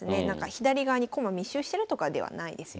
左側に駒密集してるとかではないですよね。